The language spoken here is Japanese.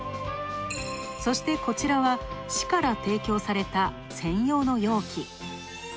そしてこちらは、市から提供された専用の容器。